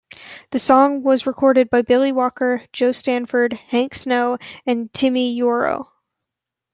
The song was recorded by Billy Walker, Jo Stafford, Hank Snow, and Timi Yuro.